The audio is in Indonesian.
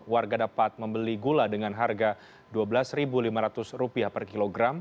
warga dapat membeli gula dengan harga rp dua belas lima ratus per kilogram